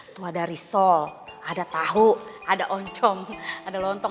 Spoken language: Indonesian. itu ada risol ada tahu ada oncom ada lontong